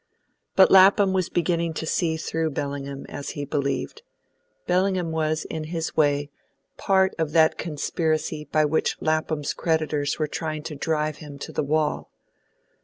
But Lapham was beginning to see through Bellingham, as he believed. Bellingham was, in his way, part of that conspiracy by which Lapham's creditors were trying to drive him to the wall.